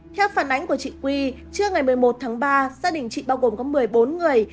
theo phản ánh của chị quy trưa ngày một mươi một tháng ba gia đình chị bao gồm có một mươi bốn người